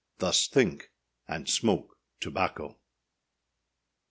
Thus think, and smoke tobacco.